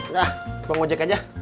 dah abang ngajak aja